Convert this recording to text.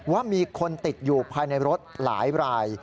ว่ามีคนติดอยู่ภายในรถหลายราย